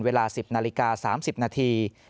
เวลา๑๐นาฬิกา๓๐นาที